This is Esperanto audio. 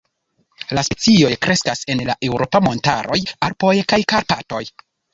La specioj kreskas en la eŭropa montaroj Alpoj kaj Karpatoj.